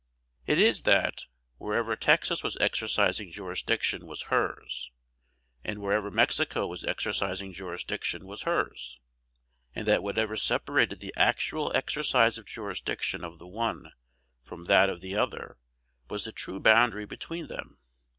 It is, that, wherever Texas was exercising jurisdiction was hers; and wherever Mexico was exercising jurisdiction was hers; and that whatever separated the actual exercise of jurisdiction of the one from that of the other was the true boundary between them.